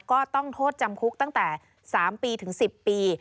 ก็ต้องโทษจำคุกตั้งแต่๓ปีถึง๑๐ปี